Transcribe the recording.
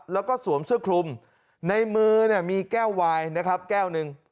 แล้วก็สวมเสื้อคลุมในมือเนี่ยมีแก้ววายนะครับแก้วหนึ่ง